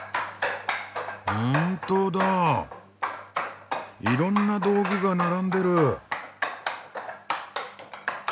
本当だいろんな道具が並んでる。